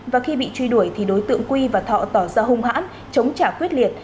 và khi bị truy đuổi thì đối tượng quy và thọ tỏ ra hung hãn chống trả quyết liệt